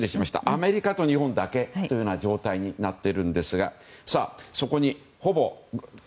アメリカと日本だけという状態になっているんですが。